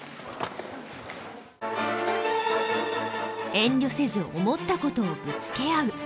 遠慮せず思ったことをぶつけ合う。